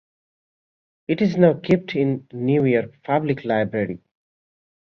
It is now kept in the New York Public Library.